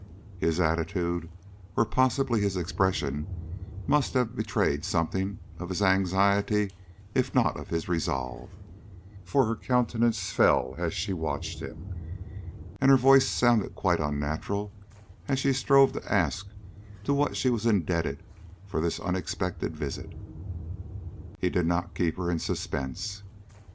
His attitude or possibly his expression must have betrayed something of his anxiety if not of his resolve, for her countenance fell as she watched him, and her voice sounded quite unnatural as she strove to ask to what she was indebted for this unexpected visit. He did not keep her in suspense.